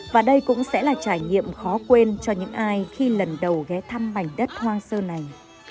và đây cũng sẽ là trải nghiệm khó quên cho những ai khi lần đầu ghé thăm mảnh đất hoang sơ này